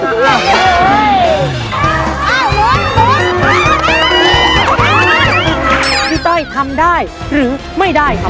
อ้าวหลวงหลวงพี่โต้ยทำได้หรือไม่ได้ครับ